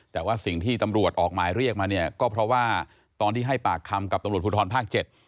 แต่ว่าสิ่งที่ตำรวจออกหมายเรียกมาเนี่ยก็เพราะว่าตอนที่ให้ปากคำกับตำรวจภูทรภาค๗